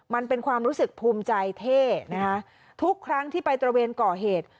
มันเป็นความรู้สึกภูมิใจเท่นะคะทุกครั้งที่ไปตระเวนก่อเหตุ